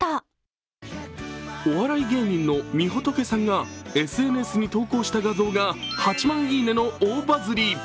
お笑い芸人のみほとけさんがＳＮＳに投稿した画像が８万いいねの大バズり。